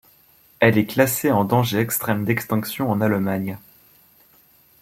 Elle est classée en danger extrême d'extinction en Allemagne.